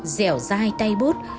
dẻo dai tay bút